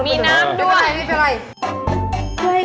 มีน้ำด้วย